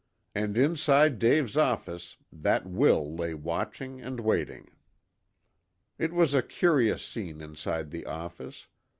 And inside Dave's office, that Will lay watching and waiting. It was a curious scene inside the office.